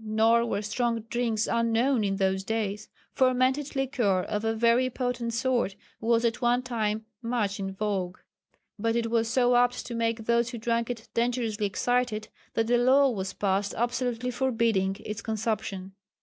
Nor were strong drinks unknown in those days. Fermented liquor of a very potent sort was at one time much in vogue. But it was so apt to make these who drank it dangerously excited that a law was passed absolutely forbidding its consumption.